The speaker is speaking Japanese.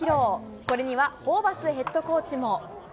これにはホーバスヘッドコーチも。